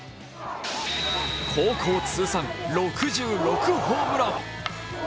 高校通算６６ホームラン。